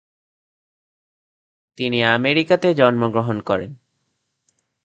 তিনি আমেরিকাতে জন্ম গ্রহণ করেন।